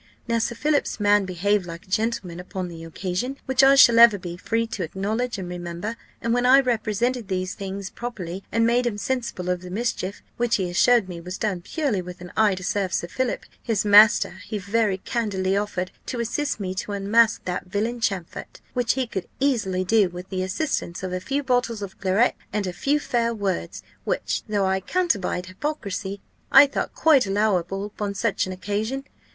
Now, Sir Philip's man behaved like a gentleman upon the occasion, which I shall ever be free to acknowledge and remember: and when I represented things properly, and made him sensible of the mischief, which, he assured me, was done purely with an eye to serve Sir Philip, his master, he very candidly offered to assist me to unmask that villain Champfort, which he could easily do with the assistance of a few bottles of claret, and a few fair words; which, though I can't abide hypocrisy, I thought quite allowable upon such an occasion.